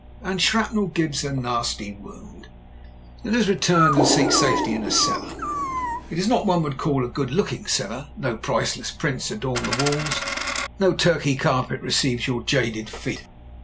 And shrapnel gives a nasty wound. Let us return and seek safety in a cellar. It is not what one would call a good looking cellar ; no priceless prints adorn the walls, no Turkey carpet receives your jaded feet.